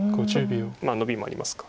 ノビもありますか。